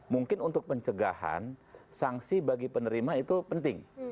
mungkin untuk pencegahan sanksi bagi penerima itu penting